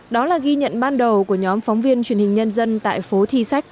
đó là ghi nhận ban đầu của nhóm phóng viên truyền hình nhân dân tại phố thi sách